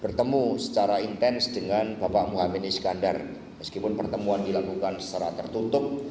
pertemuan ini terjadi secara intens dengan bapak mohamad iskandar meskipun pertemuan dilakukan secara tertutup